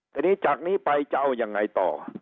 ทีนี้จากนี้ไปจะเอายังไงต่อ